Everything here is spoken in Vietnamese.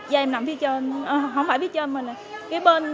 do em nằm phía trên không phải phía trên mà là cái bên